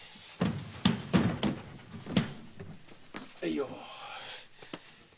はいよ。